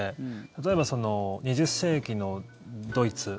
例えば２０世紀のドイツ。